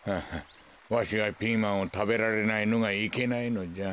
わしがピーマンをたべられないのがいけないのじゃ。